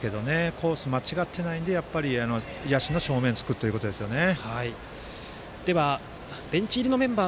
コースを間違っていないので野手の正面を突くということですね。